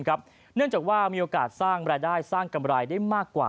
เนื่องจากว่ามีโอกาสสร้างรายได้สร้างกำไรได้มากกว่า